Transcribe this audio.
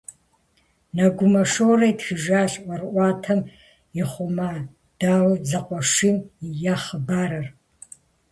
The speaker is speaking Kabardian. Нэгумэ Шорэ итхыжащ ӏуэрыӏуатэм ихъума Дау зэкъуэшийм я хъыбарыр.